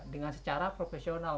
dengan secara profesional